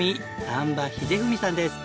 難波英史さんです。